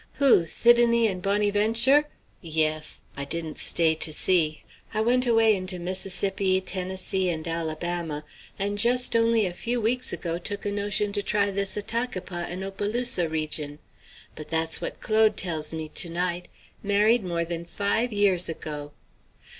"Who? Sidonie and Bonnyventure? Yes. I didn't stay to see. I went away into Mississippi, Tennessee, and Alabama, and just only a few weeks ago took a notion to try this Attakapas and Opelousas region. But that's what Claude tells me to night married more than five years ago.